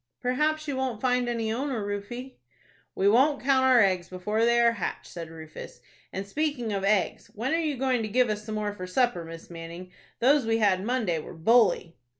"Perhaps you won't find any owner, Rufie." "We won't count our eggs before they are hatched," said Rufus, "and speaking of eggs, when are you going to give us some more for supper, Miss Manning? Those we had Monday were bully."